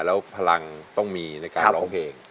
แล้วพลังต้องมีในการร้องเพลง